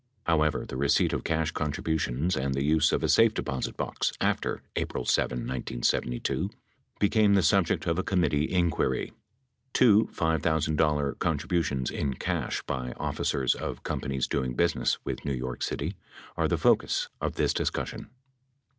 However, the receipt of cash contributions and the use of a safe deposit box after April 7, 1972, became the subject of a committee inquiry. Two $5,000 contributions in cash by officers of companies doing business with New York City are the focus of this discussion.